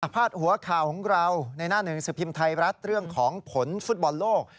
หัวข่าวของเราในหน้าหนึ่งสิบพิมพ์ไทยรัฐเรื่องของผลฟุตบอลโลก